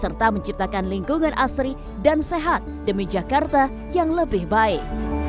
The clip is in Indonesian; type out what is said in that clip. serta menciptakan lingkungan asri dan sehat demi jakarta yang lebih baik